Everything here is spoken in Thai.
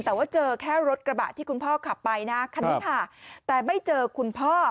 แต่ว่าเจอแค่รถกระบะที่คุณพ่อขับไปนะคันนี้ค่ะแต่ไม่เจอคุณพ่อ